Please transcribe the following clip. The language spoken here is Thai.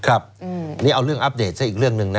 ครับนี่เอาเรื่องอัปเดตซะอีกเรื่องหนึ่งนะ